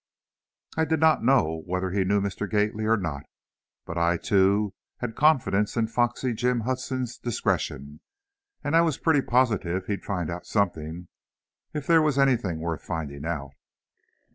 I did not know whether he knew Mr. Gately or not, but I, too, had confidence in Foxy Jim Hudson's discretion, and I was pretty positive he'd find out something, if there were anything worth finding out.